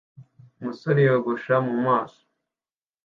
Umusore yogosha mu maso